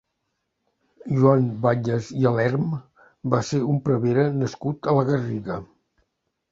Joan Batlles i Alerm va ser un prevere nascut a la Garriga.